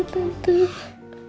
sebentar sebentar sebentar